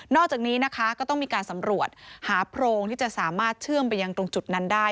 อกจากนี้นะคะก็ต้องมีการสำรวจหาโพรงที่จะสามารถเชื่อมไปยังตรงจุดนั้นได้